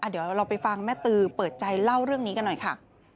เดี๋ยวเราไปฟังแม่ตือเปิดใจเล่าเรื่องนี้กันหน่อยค่ะ